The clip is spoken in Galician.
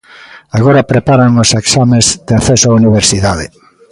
Agora preparan os exames de acceso á universidade.